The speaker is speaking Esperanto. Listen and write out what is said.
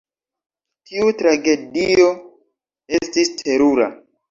Tiu tragedio estis terura.